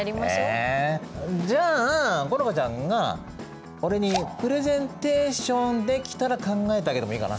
えじゃあ好花ちゃんが俺にプレゼンテーションできたら考えてあげてもいいかな。